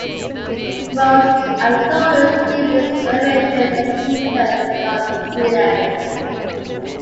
Most authorities give its elevation as metres above sea level.